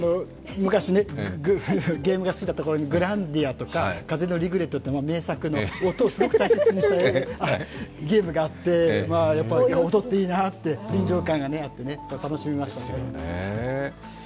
昔ね、ゲームが好きだった頃に「グランディア」とか「風のリグレット」という名作の音をすごく説明したゲームがあって、音っていいなって臨場感があって楽しみました。